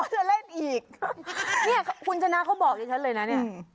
ดอกเบี้ยเอ่ยอะไรเอ๊ย